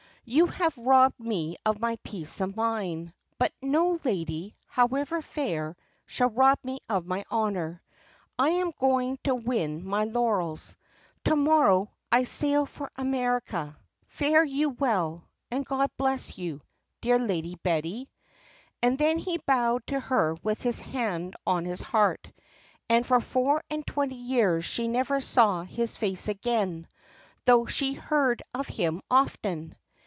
You have robbed me of my peace of mind, but no lady, however fair, shall rob me of my honour. I am going to win my laurels. To morrow I sail for America. Fare you well and God bless you dear Lady Betty.' And then he bowed to her with his hand on his heart, and for four and twenty years she never saw his face again, though she heard of him often.